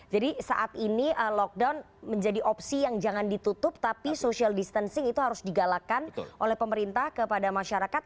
saat ini lockdown menjadi opsi yang jangan ditutup tapi social distancing itu harus digalakan oleh pemerintah kepada masyarakat